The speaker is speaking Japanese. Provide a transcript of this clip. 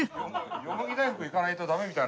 よもぎ大福いかないとダメみたいな。